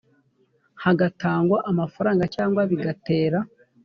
hatangwa amafaranga cyangwa bigatera